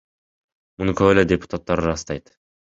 Муну көп эле депутаттар ырастайт.